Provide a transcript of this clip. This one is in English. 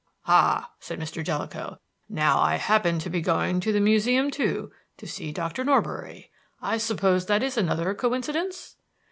"Ha," said Mr. Jellicoe, "now, I happen to be going to the Museum too, to see Doctor Norbury. I suppose that is another coincidence?"